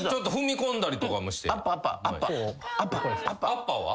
アッパーは？